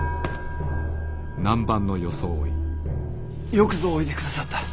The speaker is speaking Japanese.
よくぞおいでくださった。